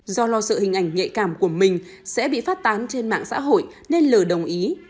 do lo sợ hình ảnh nhạy cảm của mình sẽ bị phát tán trên mạng xã hội nên l đồng ý